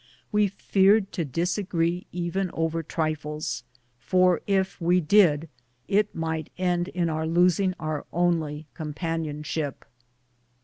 We feared to disagree even over trifles, for if we did it might end in our losing our only companionship.